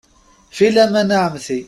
Filaman a Ɛemti.